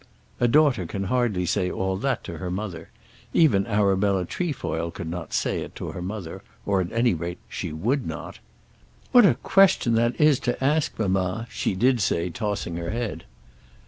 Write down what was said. A daughter can hardly say all that to her mother. Even Arabella Trefoil could not say it to her mother, or, at any rate, she would not. "What a question that is to ask, mamma?" she did say tossing her head.